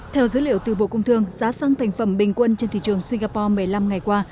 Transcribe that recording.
theo dữ liệu từ bộ công thương giá xăng thành phẩm bình quân trên thị trường singapore một mươi năm ngày qua